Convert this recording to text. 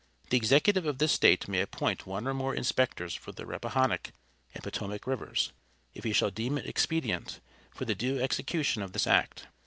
The executive of this State may appoint one or more inspectors for the Rappahannock and Potomac rivers, if he shall deem it expedient, for the due execution of this act.